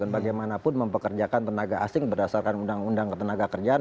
bagaimanapun mempekerjakan tenaga asing berdasarkan undang undang ketenaga kerjaan